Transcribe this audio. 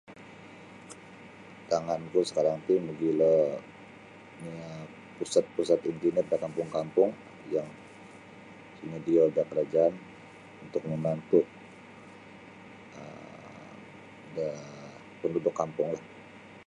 Antangan ku sakarang ti magilo um pusat-pusat internet da kampung-kampung yang sinodio da karajaan untuk membantu um da panduduk kampung lah.